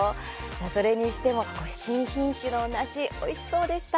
それにしても新品種の梨のおいしそうでした。